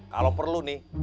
kalau perlu nih